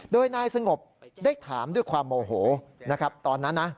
โดยนายสงบได้ถามด้วยความโมโหนะครับตอนนั้นนะ